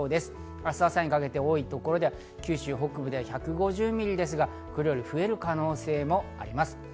明日朝にかけて多い所で九州北部で１５０ミリですが、これより増える可能性もあります。